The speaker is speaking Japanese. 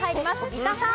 三田さん。